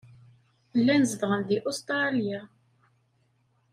Llan zedɣen deg Ustṛalya.